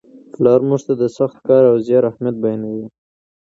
پلار موږ ته د سخت کار او زیار اهمیت بیانوي.